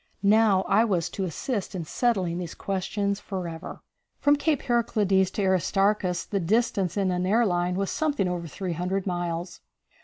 Now I was to assist in settling these questions forever. From Cape Heraclides to Aristarchus the distance in an air line was something over 300 miles.